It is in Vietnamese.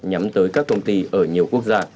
nhắm tới các công ty ở nhiều quốc gia